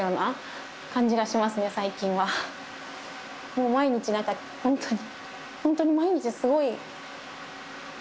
もう毎日なんか本当に。